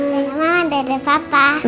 dadah mama dadah papa